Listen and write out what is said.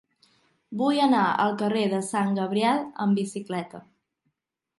Vull anar al carrer de Sant Gabriel amb bicicleta.